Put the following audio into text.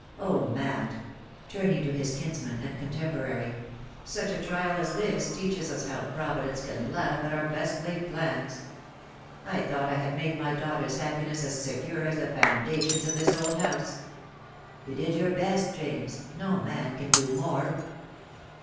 Oh! Matt," turning to his kinsman and contemporary, "such a trial as this teaches us how Pro vidence can laugh at our best laid plans. I thought I had made my daughter's happiness as secure as the foundations of this old house." "You did your best, James. No man can do more."